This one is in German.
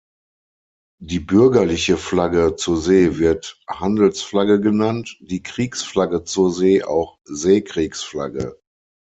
Die "Bürgerliche Flagge" zur See wird Handelsflagge genannt, die Kriegsflagge zur See auch Seekriegsflagge.